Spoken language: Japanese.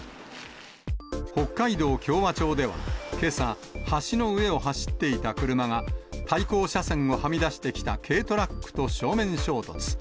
北海道共和町では、けさ、橋の上を走っていた車が、対向車線をはみ出してきた軽トラックと正面衝突。